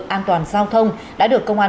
an toàn giao thông đã được công an